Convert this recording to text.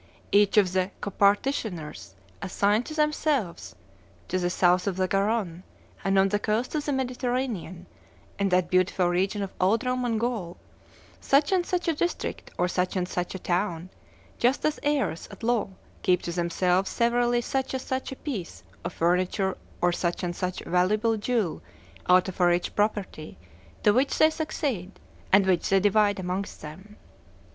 Each of the copartitioners assigned to themselves, to the south of the Garonne and on the coasts of the Mediterranean, in that beautiful region of old Roman Gaul, such and such a district or such and such a town, just as heirs at law keep to themselves severally such and such a piece of furniture or such and such a valuable jewel out of a rich property to which they succeed, and which they divide amongst them.